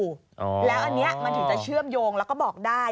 แล้วอันนี้มันถึงจะเชื่อมโยงแล้วก็บอกได้